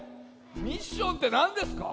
ミッションってなんですか？